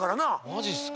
マジっすか？